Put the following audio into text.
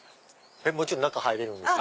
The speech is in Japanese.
もちろん中入れるんですよね。